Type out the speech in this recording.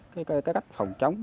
cái cách phòng chống